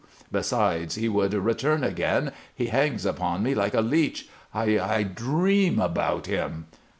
Besides, he would return again; he hangs upon me like a leech. I I dream about him."